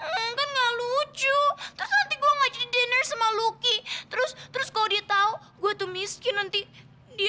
gue kan gak lucu terus nanti gue gak jadi diner sama lucky terus kalau dia tau gue tuh miskin nanti dia